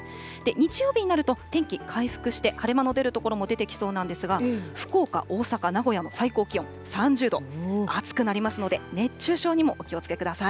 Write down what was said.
日曜日になると、天気、回復して、晴れ間の出る所も出てきそうなんですが、福岡、大阪、名古屋も最高気温、３０度、暑くなりますので、熱中症にもお気をつけください。